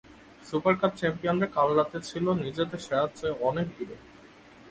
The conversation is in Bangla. সুপার কাপ চ্যাম্পিয়নরা কাল রাতে ছিল নিজেদের সেরার চেয়ে অনেক দূরে।